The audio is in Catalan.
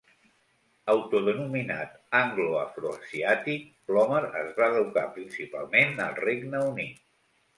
Autodenominat "anglo-afroasiàtic", Plomer es va educar principalment al Regne Unit.